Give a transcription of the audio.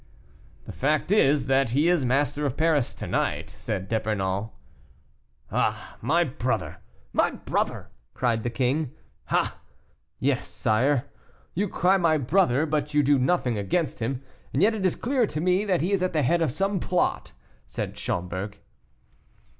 "The fact is, that he is master of Paris to night," said D'Epernon. "Ah, my brother! my brother!" cried the king. "Ah! yes, sire; you cry, 'my brother,' but you do nothing against him; and yet it is clear to me that he is at the head of some plot." said Schomberg.